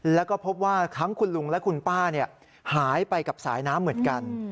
แล้วก็พบว่าทั้งคุณลุงและคุณป้าหายไปกับสายน้ำเหมือนกัน